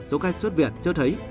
số ca xuất viện chưa thấy